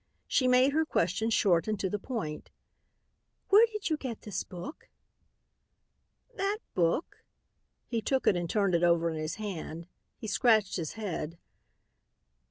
She made her question short and to the point. "Where did you get this book?" "That book?" he took it and turned it over in his hand. He scratched his head.